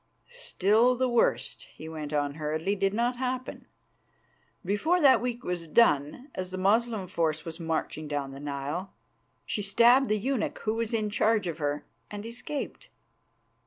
Still, the worst," he went on hurriedly, "did not happen. Before that week was done, as the Moslem force was marching down the Nile, she stabbed the eunuch who was in charge of her and escaped."